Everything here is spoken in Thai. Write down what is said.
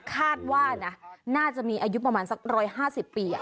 คาดว่านะน่าจะมีอายุประมาณสัก๑๕๐ปี